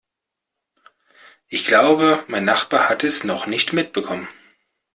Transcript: Ich glaube, mein Nachbar hat es noch nicht mitbekommen.